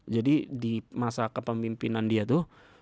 jadi di masa kepemimpinan dia tuh